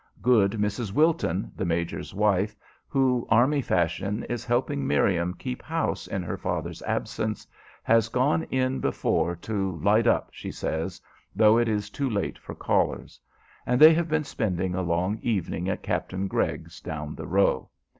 Good Mrs. Wilton, the major's wife, who, army fashion, is helping Miriam keep house in her father's absence, has gone in before "to light up," she says, though it is too late for callers; and they have been spending a long evening at Captain Gregg's, "down the row."